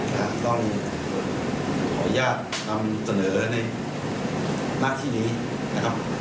ขออนุญาตคำเสนอในนักที่นี้นะครับ